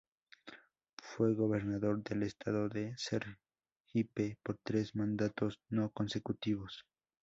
Fue gobernador del Estado de Sergipe por tres mandatos no consecutivos.